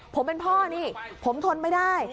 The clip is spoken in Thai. ผมเป็นพ่อนี่ผมทนไม่ได้